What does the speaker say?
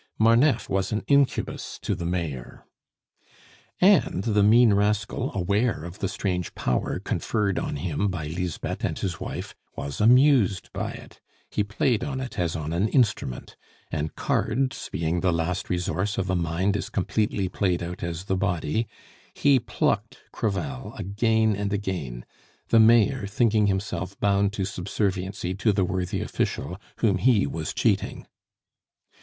Marneffe was an incubus to the Mayor. And the mean rascal, aware of the strange power conferred on him by Lisbeth and his wife, was amused by it; he played on it as on an instrument; and cards being the last resource of a mind as completely played out as the body, he plucked Crevel again and again, the Mayor thinking himself bound to subserviency to the worthy official whom he was cheating.